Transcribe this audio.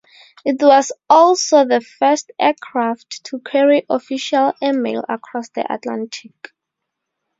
It was also the first aircraft to carry official airmail across the Atlantic.